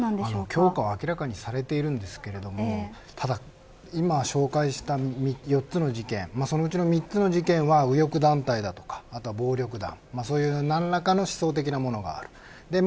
強化は明らかにされていますが今紹介した４つの事件そのうちの３つは右翼団体だとか暴力団そういう何らかの思想的なものがあります。